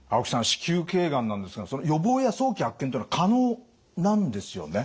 子宮頸がんなんですがその予防や早期発見っていうのは可能なんですよね？